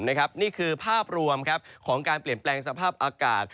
นี่คือภาพรวมของการเปลี่ยนแปลงสภาพอากาศ